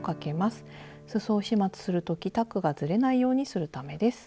すそを始末する時タックがずれないようにするためです。